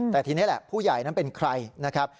แต่ทีนี้แหละผู้ใหญ่นั้นเป็นใครนะครับ